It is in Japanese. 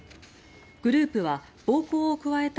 グループは暴行を加えた